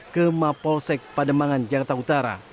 ke mapolsek pademangan jakarta utara